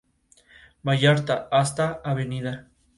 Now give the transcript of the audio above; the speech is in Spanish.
Rara vez sigue las reglas, lo que puede hacer gracias a su ingenio.